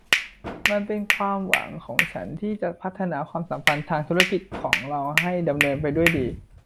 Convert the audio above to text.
มันเป็นความหวังของฉันที่จะพัฒนาความสัมพันธ์ทางธุรกิจของเราให้ดำเนินไปด้วยดี